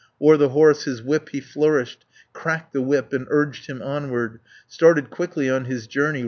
O'er the horse his whip he flourished, Cracked the whip, and urged him onward, Started quickly on his journey.